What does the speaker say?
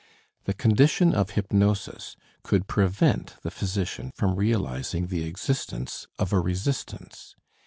The condition of hypnosis could prevent the physician from realizing the existence of a resistance.